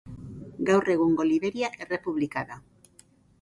Gaur egungo Liberia errepublika da.